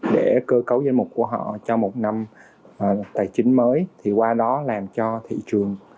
để cơ cấu danh mục của họ cho một năm tài chính mới thì qua đó làm cho thị trường